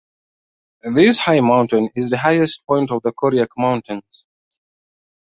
This high mountain is the highest point of the Koryak Mountains.